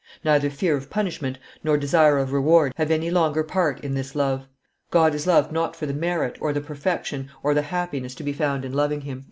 Neither fear of punishment nor desire of reward have any longer part in this love; God is loved not for the merit, or the perfection, or the happiness to be found in loving Him."